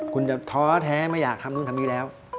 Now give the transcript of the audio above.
คุณจะท้อแท้ไม่อยากทำนู่นทำนี่แล้ว